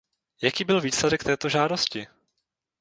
Jaký byl výsledek této žádosti?